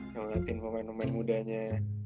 nyebangatin pemain pemain mudanya